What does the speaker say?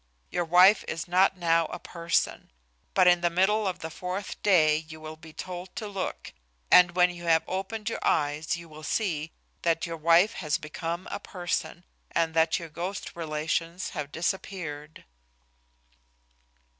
Your wife is not now a person. But in the middle of the fourth day you will be told to look, and when you have opened your eyes you will see that your wife has become a person, and that your ghost relations have disappeared."